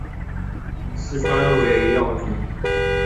四川尾药菊